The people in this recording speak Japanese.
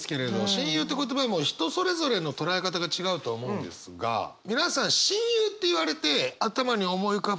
「親友」って言葉人それぞれの捉え方が違うと思うんですが皆さん「親友」って言われて頭に思い浮かぶの何人ぐらいいます？